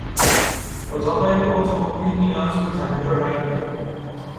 اتاق این اتومبیل نیاز به تعمیر و رنگ دارد.